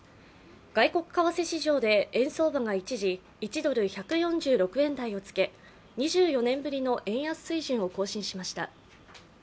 外国為替市場で円相場が一時、１ドル＝１４６円台をつけ２４年ぶりの円安水準を更新しました。